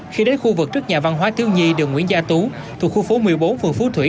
khi đến khu vực trước nhà văn hóa thiếu nhi đường nguyễn gia tú thuộc khu phố một mươi bốn phường phú thủy